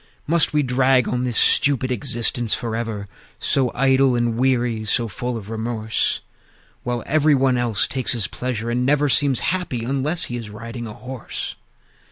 Must we drag on this stupid existence forever, So idle and weary, so full of remorse, While every one else takes his pleasure, and never Seems happy unless he is riding a horse?